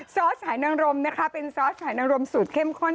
ซอสหายนางรมนะคะเป็นซอสหายนังรมสูตรเข้มข้น